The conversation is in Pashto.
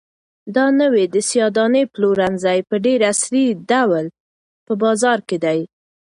دا نوی د سیاه دانې پلورنځی په ډېر عصري ډول په بازار کې دی.